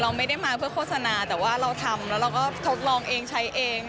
เราไม่ได้มาเพื่อโฆษณาแต่ว่าเราทำแล้วเราก็ทดลองเองใช้เอง